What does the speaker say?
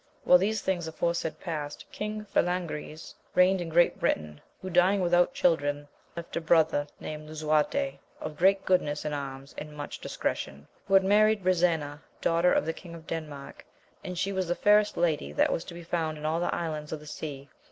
While these things aforesaid past, King Falangriz reigned in Great Britain, who dying without children, left a brother named Lisuarte, of great goodness in arms, and much discretion ; who had married Brisena, daughter of the King of Denmark, and she was the fairest lady that was to be found in all the islands of the sea.